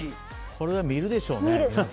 これは見るでしょうね。